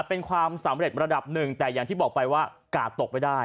เป็นความสำเร็จระดับหนึ่งแต่อย่างที่บอกไปว่ากาดตกไม่ได้